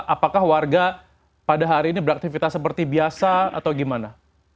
apakah warga pada hari ini beraktivitas seperti biasa atau gimana